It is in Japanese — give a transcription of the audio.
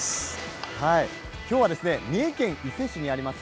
今日は三重県伊勢市にあります